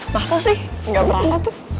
masa sih gak berasa tuh